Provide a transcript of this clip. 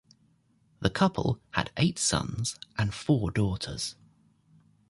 The couple had eight sons and four daughters.